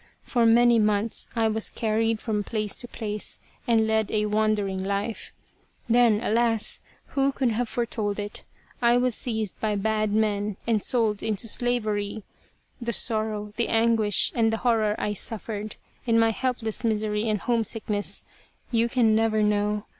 For many months I was carried from place to place and led a wandering life. Then, alas ! who could have foretold it, I was seized by bad men and sold into slavery. The sorrow, the anguish and the horror I suffered in my helpless misery and homesickness you can never know.